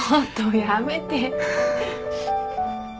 やめて！